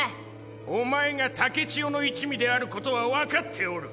おまえが竹千代の一味である事はわかっておる！